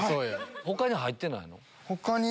他に入ってないの？他に。